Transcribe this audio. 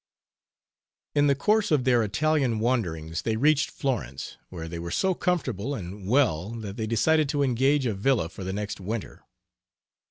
In the course of their Italian wanderings they reached Florence, where they were so comfortable and well that they decided to engage a villa for the next winter.